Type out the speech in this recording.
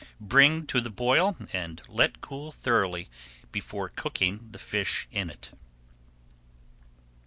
Bring to the boil and let cool thoroughly before cooking the fish in it.